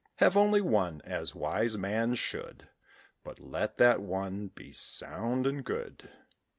Have only one, as wise man should: But let that one be sound and good.